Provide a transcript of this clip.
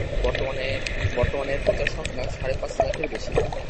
বর্তমানে এর প্রচার সংখ্যা সাড়ে পাঁচ লাখের বেশি।